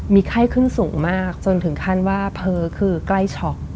มีไข้ขึ้นสูงมากจนถึงขั้นว่าเผลอคือใกล้ช็อก